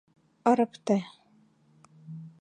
Ырыкте...»